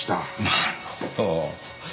なるほど。